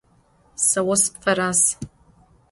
Se vo sıpferaz.